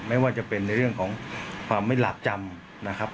ไม่ว่าจะเป็นในเรื่องของความไม่หลากจำนะครับ